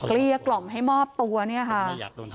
เกลี้ยกล่อมให้มอบตัวเนี่ยค่ะ